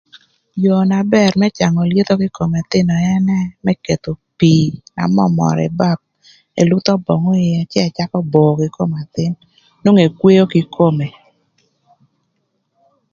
Yoo na bër më cangö lyetho kï kom ëthïnö ënë më ketho pii na mörmör ï bap ilutho böngü ïë cë icakö böö kï kom athïn, nwongo ekweo kï kome.